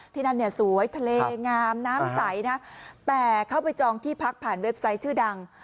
ที่นั่นเนี่ยสวยทะเลงามน้ำใสนะแต่เข้าไปจองที่พักผ่านเว็บไซต์ชื่อดัง